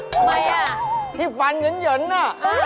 ทำไมอ่ะที่ฟันเหยินน่ะ